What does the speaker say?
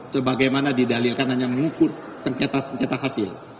sebagaimana didalilkan hanya mengukur senketa senketa hasil